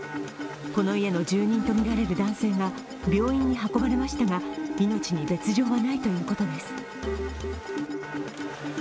この家の住人とみられる男性が病院に運ばれましたが命に別状はないということです。